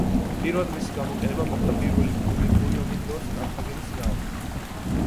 პირველად მისი გამოყენება მოხდა პირველი პუნიკური ომის დროს, კართაგენის წინააღმდეგ.